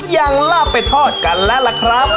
ยังลากเป็ดทอดกันแลระครับ